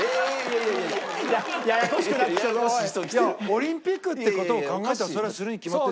オリンピックって事を考えたらそりゃするに決まってる。